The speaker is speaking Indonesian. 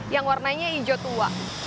yang warnanya hijau tua